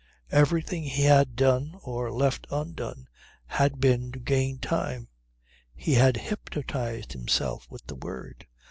Everything he had done or left undone had been to gain time. He had hypnotized himself with the word.